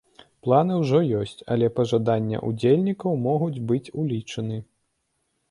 Планы ўжо ёсць, але пажаданні ўдзельнікаў могуць быць улічаны.